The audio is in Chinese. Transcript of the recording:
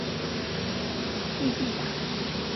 蒂蒂雅。